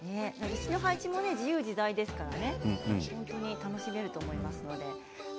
石の配置も自由自在ですから楽しめると思います。